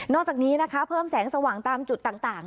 จากนี้นะคะเพิ่มแสงสว่างตามจุดต่าง